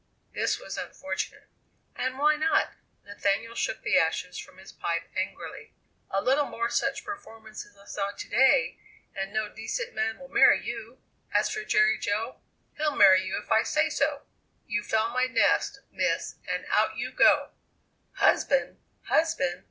This was unfortunate. "And why not?" Nathaniel shook the ashes from his pipe angrily. "A little more such performance as I saw to day and no decent man will marry you! As for Jerry Jo, he'll marry you if I say so! You foul my nest, miss, and out you go!" "Husband! husband!"